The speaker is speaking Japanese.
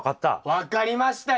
分かりましたよ。